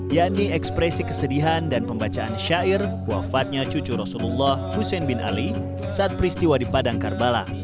yakni ekspresi kesedihan dan pembacaan syair wafatnya cucu rasulullah hussein bin ali saat peristiwa di padang karbala